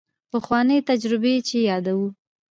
پخوانۍ تجربې چې یادوو.